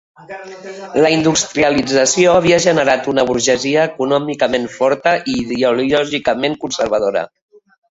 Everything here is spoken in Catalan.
La industrialització havia generat una burgesia econòmicament forta i ideològicament conservadora.